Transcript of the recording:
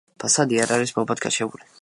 ფასადი არ არის მობათქაშებული.